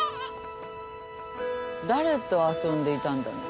誰と遊んでいたんだね？